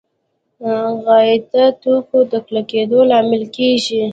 غایطه توکو د کلکېدو لامل کېږي.